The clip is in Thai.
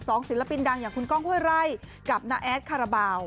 ศิลปินดังอย่างคุณก้องห้วยไร่กับน้าแอดคาราบาล